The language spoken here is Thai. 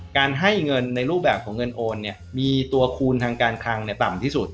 การให้เงินในรูปแบบของเงินโอนเนี่ยมีตัวคูณทางการคลังต่ำที่สุด